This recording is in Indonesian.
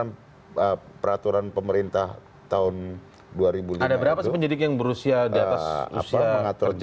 undang dan peraturan pemerintah tahun dua ribu lima ada berapa penyidik yang berusia di atas usia kerja